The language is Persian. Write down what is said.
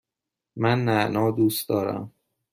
من نعنا دوست دارم.